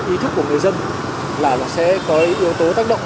ý thức của người dân là sẽ có yếu tố tác động